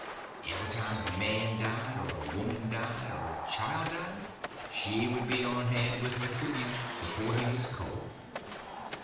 Every time a man died, or a woman died, or a child died, she would be on hand with her "tribute" before he was cold.